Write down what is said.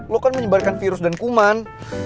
lo kan menyebarkan virus dan kuman